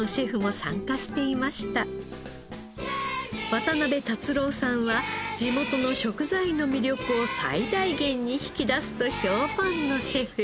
渡邊竜朗さんは地元の食材の魅力を最大限に引き出すと評判のシェフ。